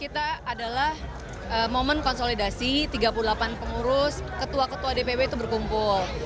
kita adalah momen konsolidasi tiga puluh delapan pengurus ketua ketua dpw itu berkumpul